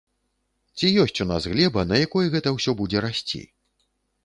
Ці ёсць у нас глеба, на якой гэта ўсё будзе расці?